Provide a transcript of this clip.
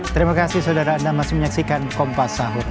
terima kasih saudara anda masih menyaksikan kompas sahur